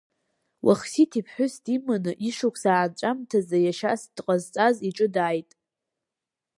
Уахсиҭ иԥҳәыс диманы ишықәс аанҵәамҭазы иашьас дҟазҵаз иҿы дааит.